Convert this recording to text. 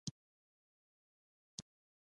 څومره پخواني یو.